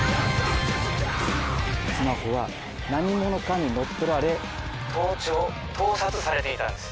スマホは何者かに乗っ取られ盗聴盗撮されていたんです。